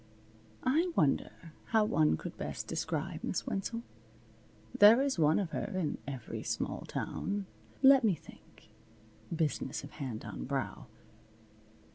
I wonder how one could best describe Miss Wenzel? There is one of her in every small town. Let me think (business of hand on brow).